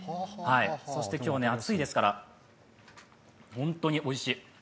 そして今日、暑いですから本当においしい。